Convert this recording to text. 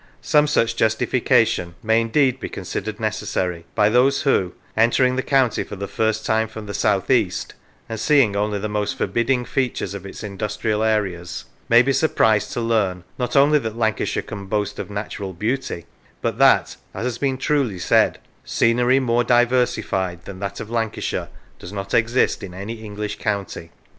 Some such justification may indeed be considered necessary by those who, entering the county for the first time from the south east, and seeing only the most forbid ding features of its industrial areas, may be surprised to learn, not only that Lancashire can boast of natural beauty, but that as has been truly said scenery more diversified than that of Lancashire does not exist in any English county.